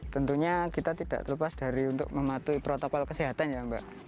tentunya kita tidak terlepas dari untuk mematuhi protokol kesehatan ya mbak